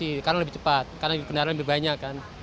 kita sudah bisa melihat karena kendaraan lebih banyak kan